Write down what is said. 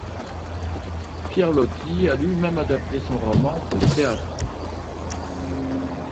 Pierre Loti a lui-même adapté son roman pour le théâtre.